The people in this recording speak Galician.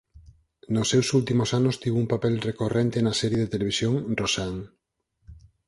Nos seus últimos anos tivo un papel recorrente na serie de televisión "Roseanne".